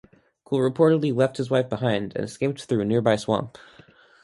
Cole reportedly left his wife behind and escaped through a nearby swamp.